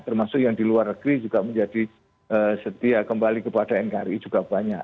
termasuk yang di luar negeri juga menjadi setia kembali kepada nkri juga banyak